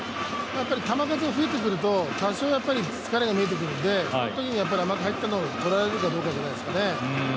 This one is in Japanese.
球数が増えてくると、多少疲れが見えてくるので、そのときに甘く入ったのをとらえるかどうかじゃないですかね。